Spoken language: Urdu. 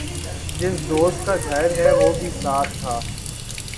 جس دوست کا گھر ہےوہ بھی ساتھ تھا ۔